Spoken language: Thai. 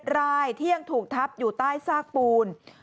รายที่ยังถูกทับอยู่ใต้ซากปูน